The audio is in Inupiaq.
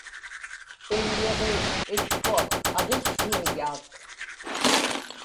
iḷḷuġiik ikkuak avitchuiḷaak